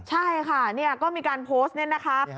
ใช่ค่ะเนี่ยก็มีการโพสต์เนี่ยนะครับ